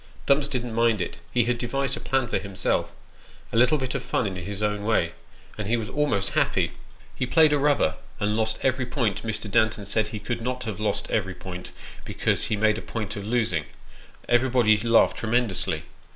Dumps didn't mind it : he had devised a plan for himself a little bit of fun 366 Sketches by Boss. in his own way and he was almost happy ! Ho played a rubber and lost every point. Mr. Danton said he could not have lost every point, because he made a point of losing : everybody laughed tremendously.